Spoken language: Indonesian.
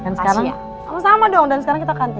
dan sekarang kamu sama dong dan sekarang kita kantin